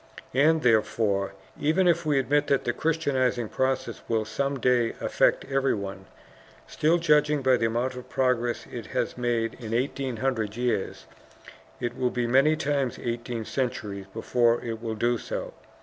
And therefore, even if we admit that this Christianizing process will some day affect everyone, still, judging by the amount of progress it has made in eighteen hundred years, it will be many times eighteen centuries before it will do so.